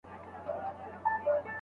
له کنړ تر کندهاره له هري تر ننګرهاره